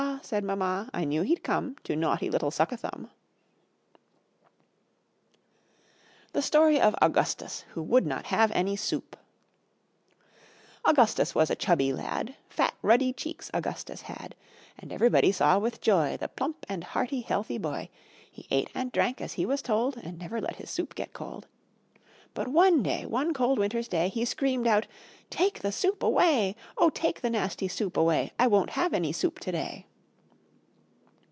said Mamma, "I knew he'd come To naughty little Suck a Thumb." The Story of Augustus who would not have any Soup Augustus was a chubby lad; Fat ruddy cheeks Augustus had: And everybody saw with joy The plump and hearty, healthy boy. He ate and drank as he was told, And never let his soup get cold. But one day, one cold winter's day, He screamed out "Take the soup away! O take the nasty soup away! I won't have any soup today."